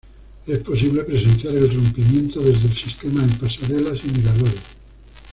Es posible presenciar el rompimiento desde el sistema de pasarelas y miradores.